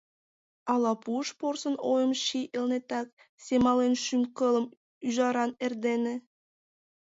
Ала пуыш порсын ойым ший Элнетак, Семален шӱм-кылым ӱжаран эрдене?